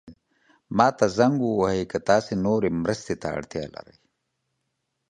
ما ته زنګ ووهئ که تاسو نورو مرستې ته اړتیا لرئ.